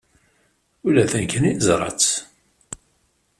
Ula d nekkni neẓra-t.